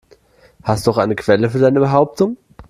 Hast du auch eine Quelle für deine Behauptungen?